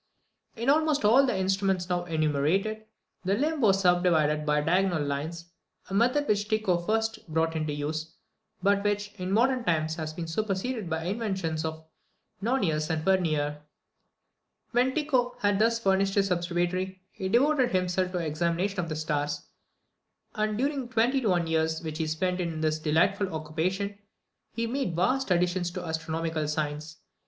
In almost all the instruments now enumerated, the limb was subdivided by diagonal lines, a method which Tycho first brought into use, but which, in modern times, has been superseded by the inventions of Nonius and Vernier. When Tycho had thus furnished his observatory, he devoted himself to the examination of the stars; and during the twenty one years which he spent in this delightful occupation, he made vast additions to astronomical science.